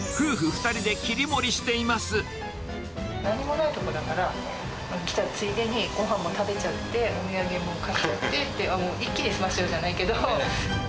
何もないとこだから、来たついでに、ごはんも食べちゃって、お土産も買っちゃってって、一気に済ませちゃおうじゃないけ